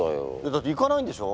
だって行かないんでしょ？